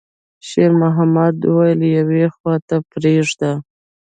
شېرمحمد وويل: «يوې خواته پرېږده.»